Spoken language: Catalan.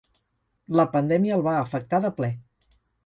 La pandèmia el va afectar de ple.